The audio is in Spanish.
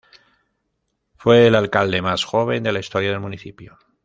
Fue el alcalde más joven de la historia del municipio.